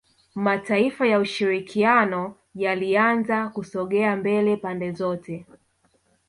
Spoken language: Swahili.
Mataifa ya ushirikiano yalianza kusogea mbele pande zote